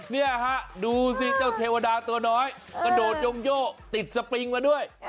นี่ครับดูที่จะวดาตัวน้อยกระโดดยงโยะตีดสปิงมาด้วย